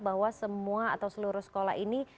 bahwa semua atau seluruh sekolah ini